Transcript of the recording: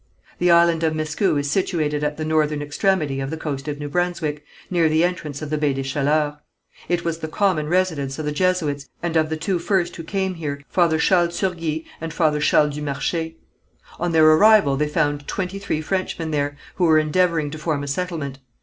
The island of Miscou is situated at the northern extremity of the coast of New Brunswick, near the entrance of the Baie des Chaleurs. It was the common residence of the Jesuits and of the two first who came here, Father Charles Turgis and Father Charles du Marché. On their arrival they found twenty three Frenchmen there, who were endeavouring to form a settlement.